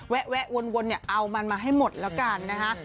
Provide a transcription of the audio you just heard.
แวะวนเนี่ยเอามันมาให้หมดแล้วกันนะคะ